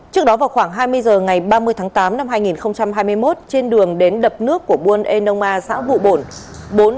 trước đó vào khoảng hai mươi h ngày ba mươi tháng tám năm hai nghìn hai mươi một trên đường đến đập nước của buôn eona xã vụ bổn